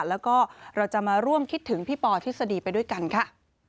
แล้วก็เราจะมาร่วมคิดถึงพี่ปอทฤษฎีไปด้วยกันค่ะ